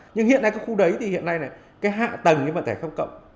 nhưng hiện nay các khu đấy thì hiện nay hạ tầng với vận tải khắp cộng